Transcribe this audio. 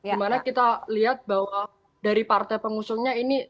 dimana kita lihat bahwa dari partai pengusungnya ini